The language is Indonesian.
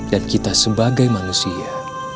dan kita sebagai manusia